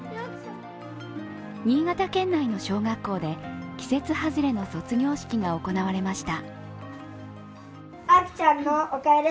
新潟県内の小学校で季節外れの卒業式が行われました。